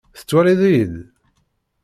Tettwaliḍ-iyi-d?